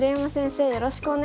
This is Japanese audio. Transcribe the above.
よろしくお願いします。